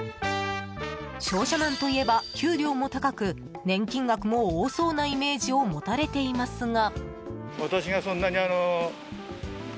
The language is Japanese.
商社マンといえば、給料も高く年金額も多そうなイメージを持たれていますが。